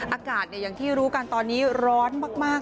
อากาศอย่างที่รู้กันตอนนี้ร้อนมาก